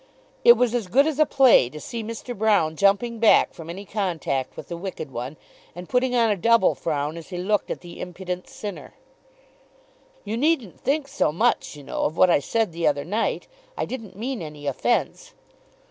It was as good as a play to see Mr. Brown jumping back from any contact with the wicked one, and putting on a double frown as he looked at the impudent sinner. "You needn't think so much, you know, of what I said the other night. I didn't mean any offence."